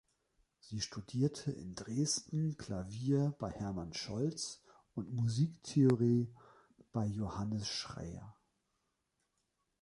Sie studierte in Dresden Klavier bei Hermann Scholtz und Musiktheorie bei Johannes Schreyer.